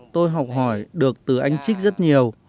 tôi học hỏi được từ anh trích rất nhiều